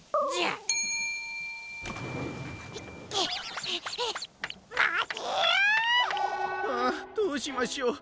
あどうしましょう。